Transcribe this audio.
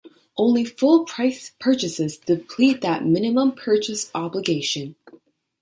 Only full price purchases deplete that minimum purchase obligation.